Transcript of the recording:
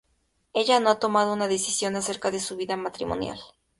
Ella no ha tomado una decisión acerca de su vida matrimonial.